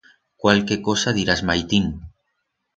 Cualque cosa dirás maitín.